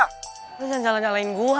lo jangan salah salahin gue